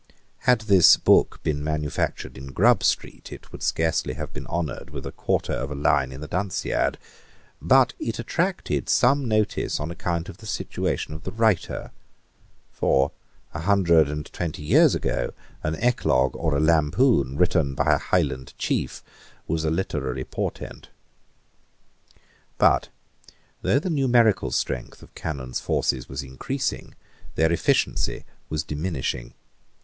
Had this book been manufactured in Grub Street, it would scarcely have been honoured with a quarter of a line in the Dunciad. But it attracted some notice on account of the situation of the writer. For, a hundred and twenty years ago, an eclogue or a lampoon written by a Highland chief was a literary portent, But, though the numerical strength of Cannon's forces was increasing, their efficiency was diminishing.